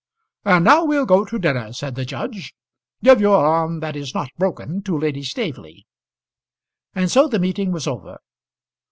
"And now we'll go to dinner," said the judge. "Give your arm that is not broken to Lady Staveley." And so the meeting was over.